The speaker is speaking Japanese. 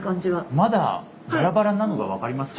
まだバラバラなのが分かりますか？